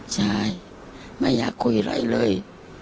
ใช่ไม่อยากคุยอะไรเลย